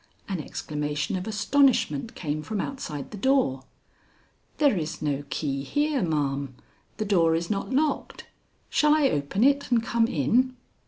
An exclamation of astonishment came from outside the door. "There is no key here, ma'am. The door is not locked. Shall I open it and come in?"